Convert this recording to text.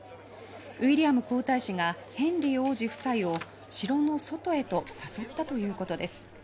ウィリアム皇太子がヘンリー王子夫妻を城の外へと誘ったということです。